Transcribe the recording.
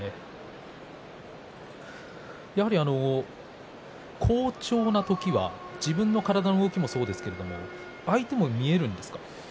やはり好調な時は自分の体の動きもそうですけれど相手も見えるんですか？